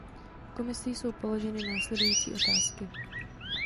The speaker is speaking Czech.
Komisi jsou položeny následující otázky.